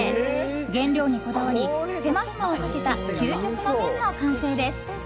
原料にこだわり、手間暇をかけた究極の麺の完成です。